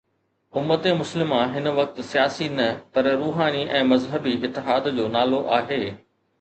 امت مسلمه هن وقت سياسي نه پر روحاني ۽ مذهبي اتحاد جو نالو آهي.